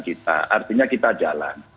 kita artinya kita jalan